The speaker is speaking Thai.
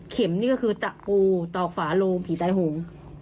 เข็มนี่ก็คือตะปูตอกฝาโลงผีตายโหง